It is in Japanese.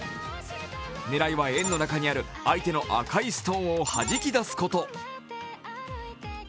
狙いは円の中にある相手の赤いストーンをはじき出すこと。